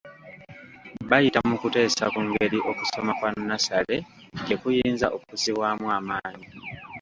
Bayita mu kuteesa ku ngeri okusoma kwa nnassale gye kuyinza okussibwamu amaanyi.